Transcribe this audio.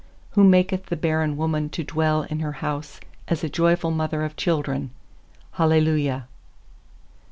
Who maketh the barren woman to dwell in her house As a joyful mother of children. Hallelujah.